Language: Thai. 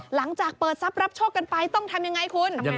หลังจากเปิดทรัพย์รับโชคกันไปต้องทำยังไงคุณ